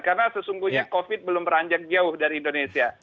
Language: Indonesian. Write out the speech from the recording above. karena sesungguhnya covid belum beranjak jauh dari indonesia